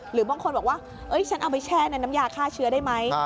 หรือบางคนบอกว่าฉันเอาไปแช่ในน้ำยาฆ่าเชื้อได้ไหม